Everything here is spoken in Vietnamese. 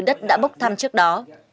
đất đã bốc thăm trước đó